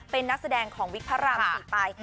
เป็นนักแสดงของวิทย์พระรามสี่ป่าย